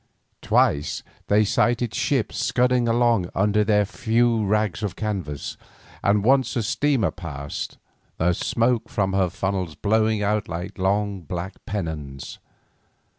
Twice they sighted ships scudding along under their few rags of canvas, and once a steamer passed, the smoke from her funnels blowing out like long black pennons.